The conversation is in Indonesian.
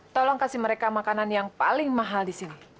tolong kasih mereka makanan yang paling mahal di sini